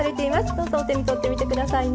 どうぞお手に取ってみて下さいね。